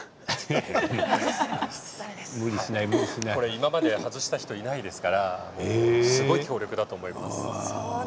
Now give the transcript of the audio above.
今まで外した人がいないですからすごい強力だと思います。